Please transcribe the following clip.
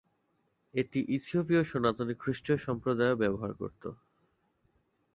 এটি ইথিওপীয় সনাতনী খ্রিস্টীয় সম্প্রদায়ও ব্যবহার করতো।